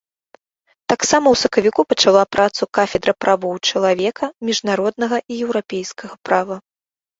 Таксама ў сакавіку пачала працу кафедра правоў чалавека, міжнароднага і еўрапейскага права.